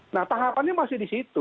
nah tahapannya masih di situ